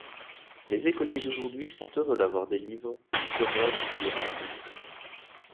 Les écoliers d'aujourd'hui sont heureux d'avoir des livres si commodes et si aimables.